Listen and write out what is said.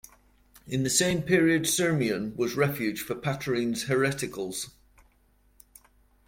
In the same period Sirmione was refuge for Patarines hereticals.